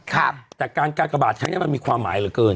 แต่การกากระบาดครั้งนี้มันมีความหมายเหลือเกิน